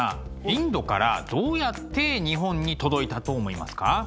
インドからどうやって日本に届いたと思いますか？